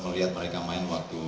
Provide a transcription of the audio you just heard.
melihat mereka main waktu